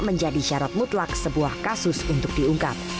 menjadi syarat mutlak sebuah kasus untuk diungkap